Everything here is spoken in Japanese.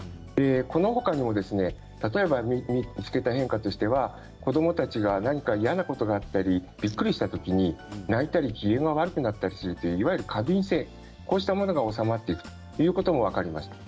このほかにも見つけた変化としては子どもたちが何か嫌なことがあったり、びっくりしたときに泣いたり機嫌が悪くなったりする過敏性が収まってくるということも分かりました。